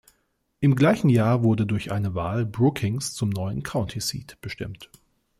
Im gleichen Jahr wurde durch eine Wahl Brookings zum neuen County Seat bestimmt.